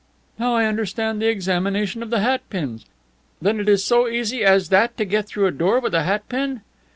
"Now I understand the examination of the hat pins. Then it is so easy as that to get through a door with a hat pin?"